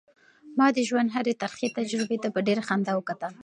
ما د ژوند هرې ترخې تجربې ته په ډېرې خندا وکتل.